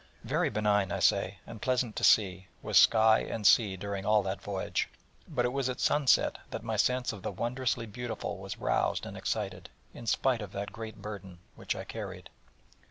Very benign, I say, and pleasant to see, was sky and sea during all that voyage: but it was at sun set that my sense of the wondrously beautiful was roused and excited, in spite of that great burden which I carried.